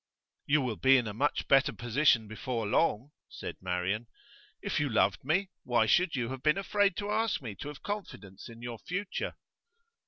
'You will be in a much better position before long,' said Marian. 'If you loved me, why should you have been afraid to ask me to have confidence in your future?